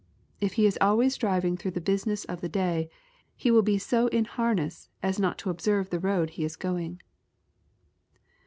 If he is always driving through the business of the day, he will be so in harness, as not to observe the road he is going."